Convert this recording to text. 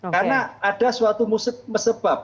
karena ada suatu musik mesebab